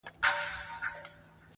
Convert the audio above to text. شېرينې ستا د مينې زور ته احترام کومه,